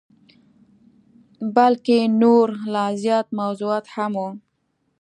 بلکه نور لا زیات موضوعات هم وه.